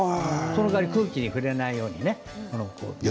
その代わり空気に触れないようにね。